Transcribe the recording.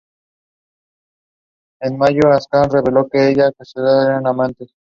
En mayo, Aksana reveló que ella y Cesaro eran amantes.